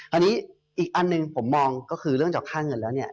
อันนี้อีกอันหนึ่งผมมองก็คือเรื่องจากค่าเงินแล้วเนี่ย